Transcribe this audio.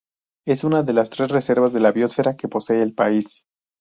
Es una de las tres reservas de la biosfera que posee el país.